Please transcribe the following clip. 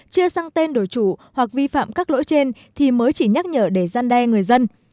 chưa sang tên đổi chủ hoặc vi phạm các lỗi trên thì mới chỉ nhắc nhở để gian đe người dân